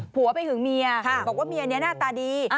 ผัวไปหึงเมียบอกว่าเมียนี้หน้าตาดี